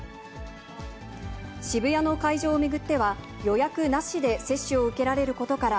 渋谷の会場を巡っては、予約なしで接種を受けられることから、